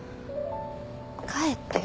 帰ってよ